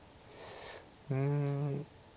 うん。